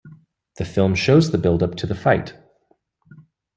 The film shows the buildup to the fight.